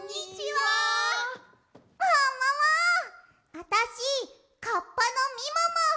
あたしカッパのみもも！